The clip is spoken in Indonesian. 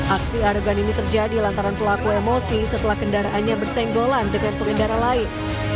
aksi arogan ini terjadi lantaran pelaku emosi setelah kendaraannya bersenggolan dengan pengendara lain